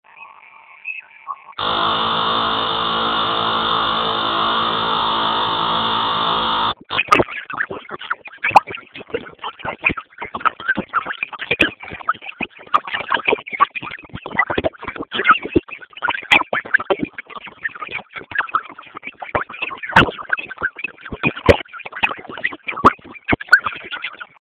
چې دا لېونۍ ده